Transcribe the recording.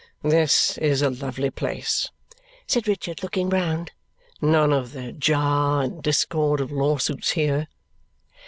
"This is a lovely place," said Richard, looking round. "None of the jar and discord of law suits here!"